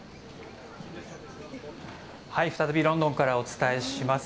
再びロンドンからお伝えします。